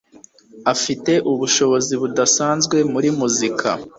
Afite ubushobozi budasanzwe muri muzika.